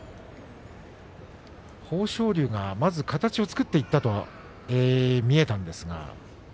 豊昇龍がまず形を作っていったと見えたんですけれども。